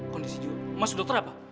kondisi mas dokter apa